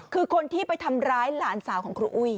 คือคนที่ไปทำร้ายหลานสาวของครูอุ้ย